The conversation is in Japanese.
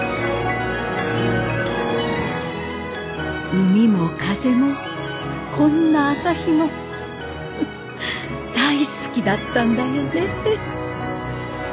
海も風もこんな朝日もフフ大好きだったんだよね。